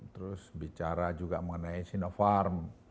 terus bicara juga mengenai sinopharm